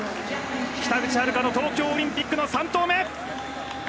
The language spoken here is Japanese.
北口榛花の東京オリンピックの３投目。